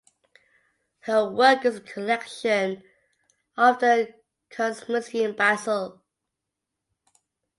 Her work is in the collection of the Kunstmuseum Basel.